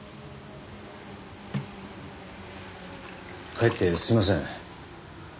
かえってすいません。